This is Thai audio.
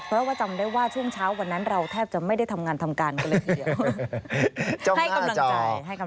เพราะว่าจำได้ว่าช่วงเช้าวันนั้นเราแทบจะไม่ได้ทำงานทำการกันเลยทีเดียว